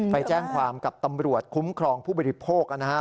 ไปแจ้งความกับตำรวจคุ้มครองผู้บริโภคนะฮะ